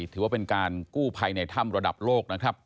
ถือว่าเป็นการกู้ภัยในถ้ำระดับโลกนะครับ